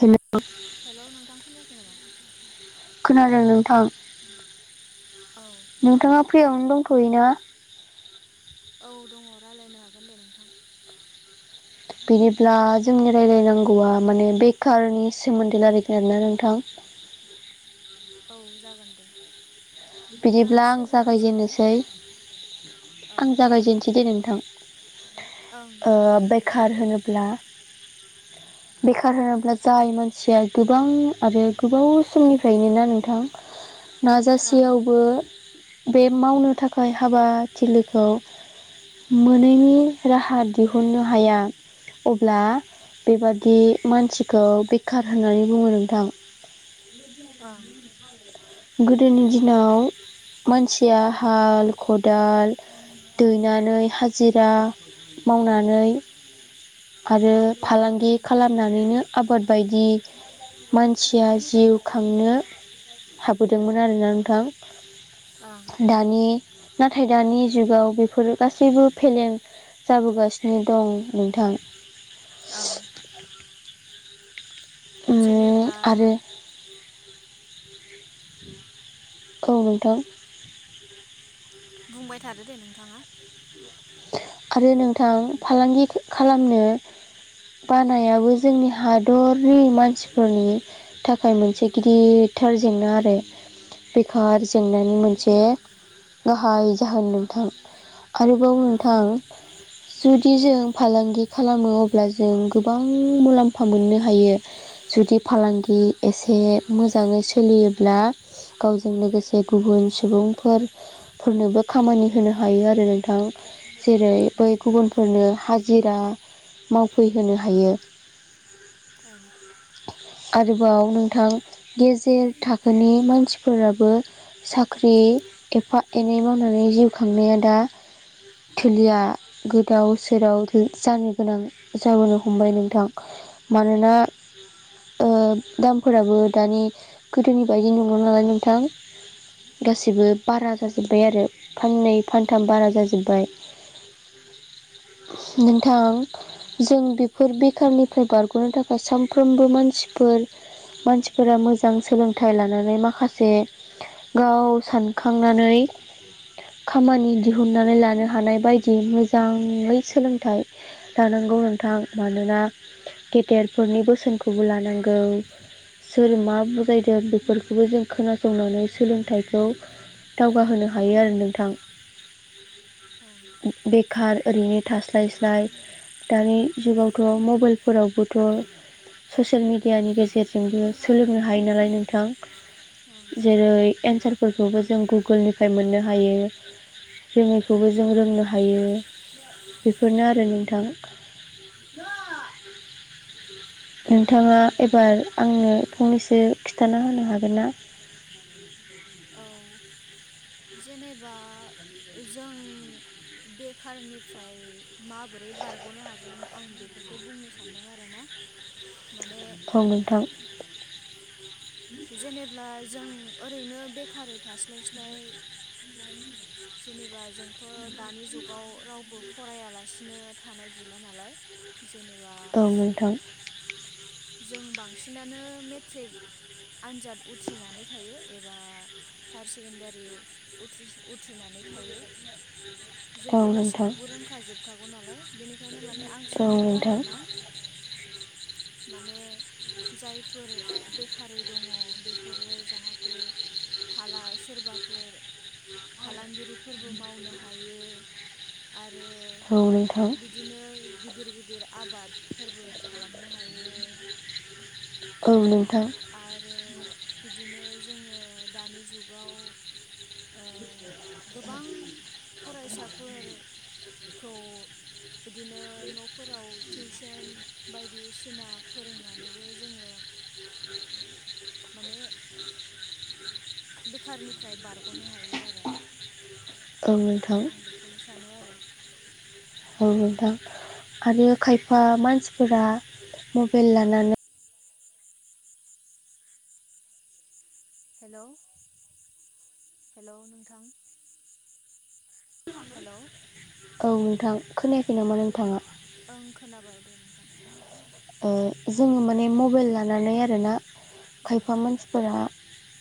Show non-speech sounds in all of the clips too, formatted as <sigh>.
Hello. Hello नोंथा खोनायाखै नामा। खोनादों नोंथां। औ नोंथाङा फ्रियावनो दंथ'यो ना। रायज्लायनो हागोन दे नोंथां। बिदिब्ला जोंनि राय्लायनांगौआ माने बेखारनि सोमोन्दै रायज्लायगोन आरोना नोंथां। औ। औ जागोन दे। बिदिब्ला आं सोर जागायजेननो जागायजेनोसै। ओं आं जागोन जागायजेनसै दे नोंथां। ओं ओ जागोन दे बेखार जागायबानो होनोब्ला। बेखार होनोब्ला जाय मानसिया गोबां आरो गोबाव समनिफ्रायनो ना नों। थां ओं नाजासेयावबो। बे मावनो थाखाय हाबाथिलिखौ। मोनैनि राहा दिहुननो हाया अब्ला। बेबादि मानसिखौ बेखार होननानै बुङो नोंथां। ओं। गोदोनि दिनाव मानसिया हाल खदाल। दैनानै हाजिरा मावनानै। आरो फालांगि खालामनानैनो आबाद बायदि। मानसिया जिउ खांनो। हाबोदोंमोन आरोना ओं नोंथां दानि। नाथाय दानि जुगाव बेफोरो गासैबो फेलें जाबोगासिनो दं नोंथां। <inaudible> ओं। उम जेनेब्ला। आरो औ नोंथां। बुंबाय थादो दे नोंथाङा। आरो नोंथां फालांगि खालामनो। ््् बानायाबो जोंनि हादरनि मानसिफोरनि थाखाय मोनसे गिदिर थार जेंना आरो बेखार जेंनानि मोनसे गाहाय जाहोन नोंथां आरोबाव नोंथां। जुदि जों फालांगि खालामो अब्ला जों गोबां मुलाम्फा मोननो हायो। जुदि फालांगि एसे मोजाङै सोलियोब्ला। गावजों लोगोसे गुबुन सुबुंफोरफोरनोबो खामानि होनो हायो आरो नोंथां। जेरै बै गुबुनफोरनो हाजिरा मावफैहोनो हायो। औ। आरोबाव नोंथां गेजेर थाखोनि मानसिफोराबो साख्रि एफा एनै मावनानै जिउ खांनाया दा थोलिया गोदाव सोराव जानो गोनां जाबोनो हमबाय नोंथां। मानोना ओ दामफोराबो दानि गोदोनि बायदि नंङा नालाय नोंथां। गाससिबो बारा जाजोब्बाय आरो फाननै ओं फानथाम बारा जाजोब्बाय। <unintelligible> <inaudible> नोंथां जों बेफोर बेखारनिफ्राय बारग'नो थाखाय सामफ्रोमबो मानसिफोर मानसिफोरा मोजां सोलोंथाइ लानानै माखासे गाव सानखांनानै खामानि दिहुनन्नानै लानो हा हानाय बायदि मोजाङै सोलोंथाइ लानांगौ नोंथां मानोना गेदेरफोरनि बोसोनखौबो लानांगौ। सोर मा बुजायदों बेफोरखौबो जों खोनासंनानै सोलोंथाइखौ दावगाहोनो हायो आरो नोंथां। ओं बेखार ओरैनो थास्लायस्लाय दानि जुगावथ' मबाइलफोरावबोथ' ससियेल मिडियानि गेजेरजोंबो सोलोंनो हायो नालाय नोंथां। ओं जेरै एन्सार फोरखौबो जों गुगोलनिफ्राय मोननो हायो रोंङैखौबो जों जोंनो हायो बेफोरनो आरो नोंथां। <inaudible> <inaudible> नोंथाङा एबार आंनो फंनैसो खिन्थाना होनो हागोन ना। <inaudible> <inaudible> औ। <unintelligible> <inaudible> जेनेबा जों। बेखारनिफ्राय माबोरै बारग'नो हागोन आं बेफोरखौ बुंनो सानदों आरोना। माने औ नोंथां। जेनेब्ला जों ओरैनो बेखारै थास्लायस्लाय जेनेबा जोंथ' दानि जुगाव रावबो फरायालासिनो थानाय गैला नालाय जेनेबा औ नोंथां जों बांसिनानो मेट्रिक आन्जाद उथ्रिनानै थायो। एबा हायार सेकेणडारि उथ्रि उथ्रिनानै थायो। औ जोंथ' नोंथां गासिखौबो रोंखाजोबखागौ नालाय बेनिखायनो माने आं औ सानो नोंथां आरोना <inaudible> <inaudible> माने जायफोर बेखारारि दङ बेफोरो जाहाथे फाला सोरबाफोर फालांगिरि फोरबो मावनो हायो। आरो औ नोंथां बिदिनो गिदिर गिदिर आबादफोरबो खालामो औ नंगौ। आरो बिदिनो जोङो दानि जुगाव ओ <inaudible> गोबां फरायसाफोरखौ इदिनो न'फोराव टिउसन बायदिसिना फोरोंनानैबो जोङो माने बेखारनिफ्राय बारग'नो हायो आरो। औ नोंथां आं बेखौनो सानो आरो औ। ओ आरो खायफा मानसिफोरा मबाइल लानानै हेल' हेल' नोंथां हेल' औ नोंथां खोनायाखै नामा नोंथाङा? ओं खोनाबाय दे नोंथां। ओ जोङो माने मबाइल लानानै आरोना ओं खायफा मानसिफोरा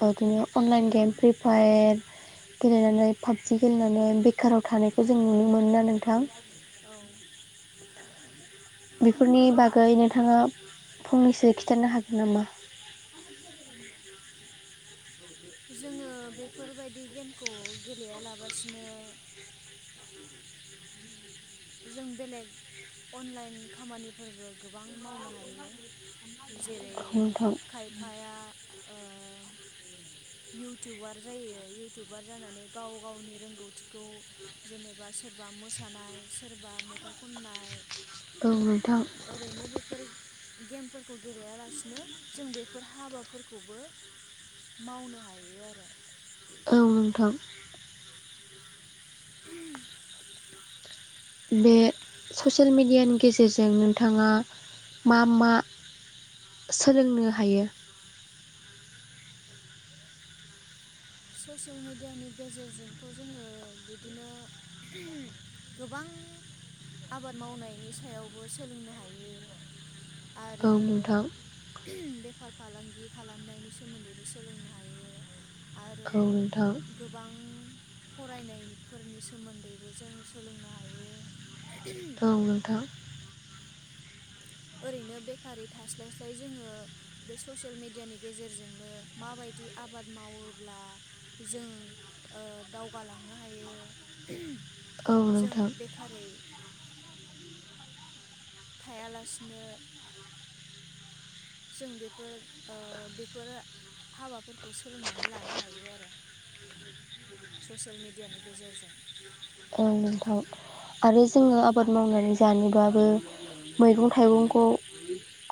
बिदिनो अनलाइन गेम फ्रि फायार गेलेनानै पाबजि गेलेनानै बेखाराव थानायखौ जों नुनो मोनो ना नोंथां? औ बेफोरनि बागै नोंथाङा फंनैसो खिन्थानो हागोन नामा? <inaudible> जोङो बेफोरबायदि गेमखौ गेलेयालाबसिनो जों बेलेग अनलाइन खामानिफोरबो गोबां मावनो हायो। जेरै औ नोंथां खायफाया ओ इउटुबार जायो इउटुबार जानानै गाव गावनि रोंगौथिखौ जेनेबा सोरबा मोसानाय सोरबा मेथाइ खननाय औ नोंथां ओरैनो बेफोर गेमफोरखौ गेलेयालासिनो जों बेफोर हाबाफोरखौबो मावनो हायो आरो। नंगौ नोंथां। बे ससियेल मेडियानि गेजेरजों नोंथाङा मा मा सोलोंनो हायो। ससियेल मिडियानि गेजेरजोंथ' जोङो बिदिनो ओम गोबां <inaudible> आबाद मावनायनि सायावबो सोलोंनो हायो। औ आरो नोंथां बेफार फालांगि खालामनायनि सोमोन्दैबो सोलोंनो हायो। आरो औ नोंथां गोबां फरायनायफोरनि सोमोन्दैबो जों सोलोंनो हायो। औ नोंथां ओरैनो बेकारि थास्लायस्लाय जोङो बे ससियेल मिडियानि गेजेरजोंनो माबायदि बिदि आबाद मावोब्ला जों ओ दावगालांनो हायो। औ जों नोंथां बेखारै थायालासिनो जों बेफोरो ओ बेफोरो हाबाफोरखौ सोलोंनानै लानो हायो आरो। ससियेल मेडियानि गेजेरजों ओं नोंथां आरो जोङो आबाद मावनानै जानोबाबो मैगं थाइगंखौ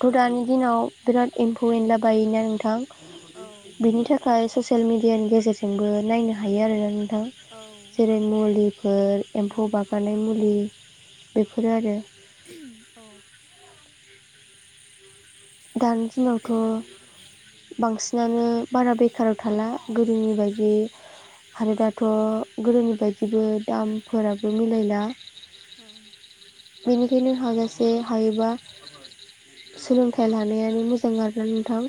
थ दानि दिनाव बिराद एम्फौ एनला बायोना नोंथां। औ बिनि थाखाय ससियेल मिडियानि गेजेरजोंबो नायनो हायो आरो औ जेरै मुलिफोर एम्फौ मुलिफोर बागानाय मुलि बेफोरो आरो औ दानि दिनावथ बांसिनानो बारा बेखाराव थाला गोदोनि बायदि। आरो दाथ गोदोनि बायदिबो दामफोराबो मिलायला। ओं बेनिखायनो हाजासे हायोबा सोलों थायलानायानो मोजां आरोना नोंथां।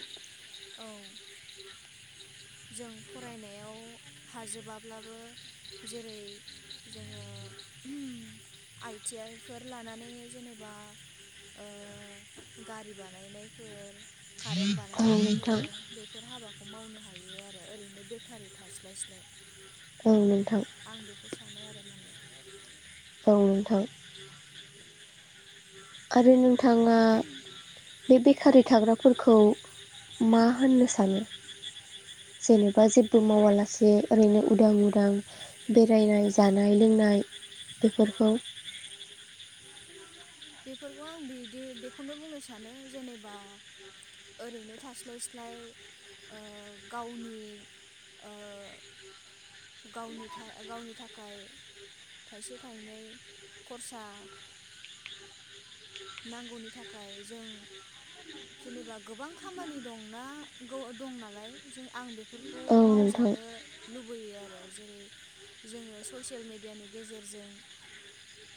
औ <inaudible> जों फरायनायाव हाजोबाब्लाबो जेरै जोङो ओम आइटि आइफोर लानानै जेनेबा ओ गारि बानायनायफोर कारेन बानाय औ नोंथां फोर बेफोर हाबाखौ मावनो हायो आरो ओरैनो बेकारि थास्लायस्लाय। औ नोंथां आं बेखौ सानो आरो माने औ नोंथां। आरो नोंथाङा बे बेकारि थाग्राफोरखौ मा होननो सानो। जेनेबा जेबो मावालासे ओरैनो उदां उदां बेरायनाय जानाय लोंनाय बेफोरखौ। बेफोरखौ आं बिदि बेखौनो बुंनो सानो जेनेबा ओरैनो थास्लाय स्लाय ओ गावनि ओ गावनि थाय गावनि थाखाय थाइसे थाइनै खरसा नांगौनि थाखाय जों जेनेबा गोबां खामानि दंना दं नालाय जों आं बेफोरखौ औ खौ नोंथां मावजानो लुबैयो आरो जेरै जोङो ससियेल मेडियानि गेजेरजों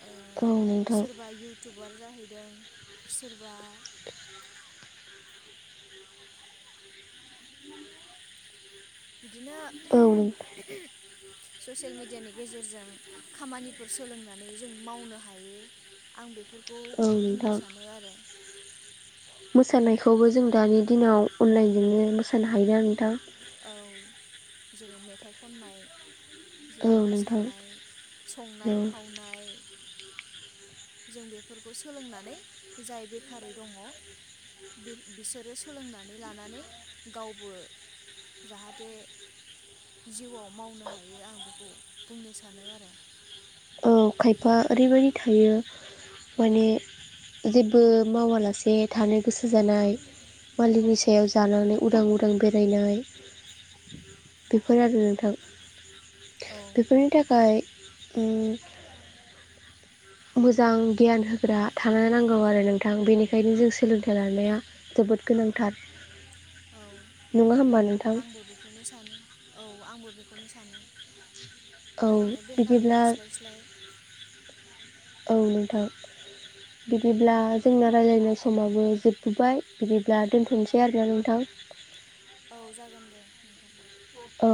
ओ औ नोंथां सोरबा इउटुबार जाहैदों सोरबा बिदिनो औ ससियेल मिडियानि गेजेरजों खामानिफोर सोलोंनानै जों मावनो हायो। आं बेफोरखौ बुंनो नोंथां सानो आरो मोसानायखौबो जों दानि दिनाव अनलानायजोंनो मोसानो हायो। औ जेरै मेथाइ खननाय औ जेरै नोंथां मोसानाय संनाय औ खावनाय जों बेफोरखौ सोलोंनानै जाय बेखारै दङ। बि बिसोरो सोलोंनानै लानानै गावबो जाहाथे जिउआव मावनो हायो आं बेखौ बुंनो सानो आरो। औ खायफा ओरैबायदि थायो माने जेबो मावालासे थानो गोसो जानाय मालिकनि सायाव जानानै उदां उदां बेरायनाय फोर आरो नोंथां औ बेफोरनि थाखाय उम <inaudible> मोजां गियान होग्रा थानो नांगौ आरो नोंथां बेनिखायनो जों सोलोंथाइ लानाया जोबोद गोनांथार। औ नङा होमबा नोंथां आंबो बेखौनो सानो औ आंबो बे बेखौनो सानो औ ओरैनो बेकारि बिदिब्ला थास्लाय स्लाय औ नोंथां बिदिब्ला जोंना रायज्लायनाय समाबो जोबबोबाय बिदिब्ला दोनथ'नोसै आरोना नोंथां <inaudible> औ जागोन दे नोंथां। औ।